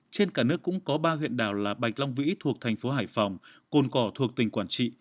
trên cả nước cũng có ba huyện đảo là bạch long vĩ thuộc thành phố hải phòng côn cỏ thuộc tỉnh quảng trị